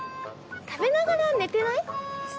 食べながら寝てない？